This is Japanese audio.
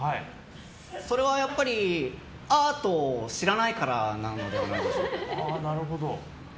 それはアートを知らないからなのではないでしょうか。